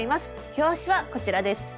表紙はこちらです。